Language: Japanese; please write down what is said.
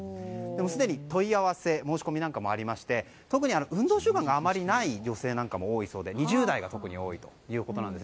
すでに問い合わせ申し込みなんかもありまして特に運動習慣があまりない女性も多いようで２０代が特に多いということです。